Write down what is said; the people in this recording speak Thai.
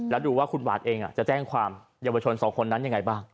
แล้วดูว่าคุณหวานเองจะแจ้งความเยาวชนสองคนนั้นยังไงบ้าง